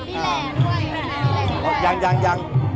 นี่แรงด้วยนี่แรงด้วย